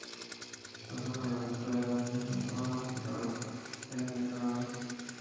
Las hojas verdes en Tailandia son tomadas crudas en ensaladas.